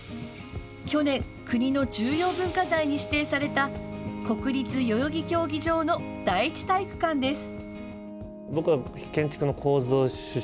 去年国の重要文化財に指定された国立代々木競技場の第一体育館です。